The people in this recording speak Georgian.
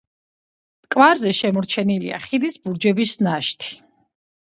მტკვარზე შემორჩენილია ხიდის ბურჯების ნაშთი.